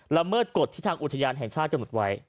เมิดกฎที่ทางอุทยานแห่งชาติกำหนดไว้